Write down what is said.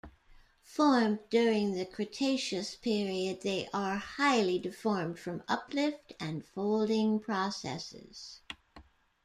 Formed during the Cretaceous Period, they are highly deformed from uplift and folding processes.